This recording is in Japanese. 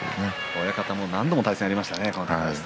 親方も何度もこの人とは対戦がありました。